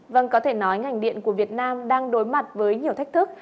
vâng có thể nói ngành điện của việt nam đang đối mặt với nhiều thách thức